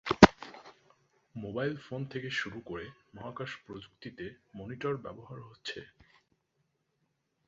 Mobile phone থেকে শুরু করে মহাকাশ প্রযুক্তিতে মনিটর ব্যবহার হচ্ছে।